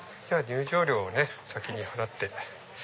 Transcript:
入場料をね先に払って。